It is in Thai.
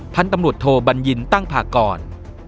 พันธุ์ตำรวจโทบัญญินตั้งพากร